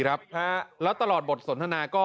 แล้วตลอดบทสนทนาก็